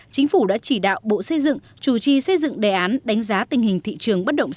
chính phủ đã chỉ đạo bộ xây dựng chủ trì xây dựng đề án đánh giá tình hình thị trường bất động sản